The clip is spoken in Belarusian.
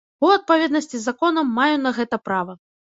У адпаведнасці з законам, маю на гэта права.